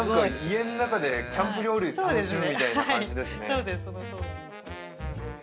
家の中でキャンプ料理楽しむみたいな感じですね